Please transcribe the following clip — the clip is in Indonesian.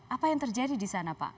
apa yang terjadi di sana pak